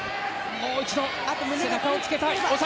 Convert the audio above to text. もう一度、背中をつけた。